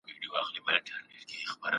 د ټولنپوهني اصول باید په پام کي ونیول سي.